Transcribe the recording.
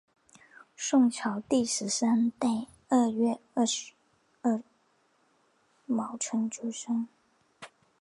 宋朝第十三代二月廿二戊辰出生。